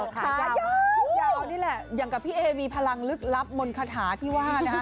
ขายาวยาวนี่แหละอย่างกับพี่เอมีพลังลึกลับมนต์คาถาที่ว่า